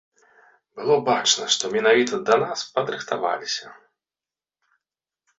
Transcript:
Было бачна, што менавіта да нас падрыхтаваліся.